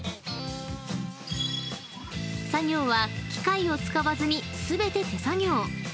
［作業は機械を使わずに全て手作業］